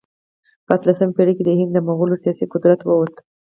په اتلسمه پېړۍ کې د هند له مغولو سیاسي قدرت ووت.